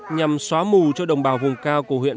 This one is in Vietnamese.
nhằm xóa mù cho đồng bào vùng cao của huyện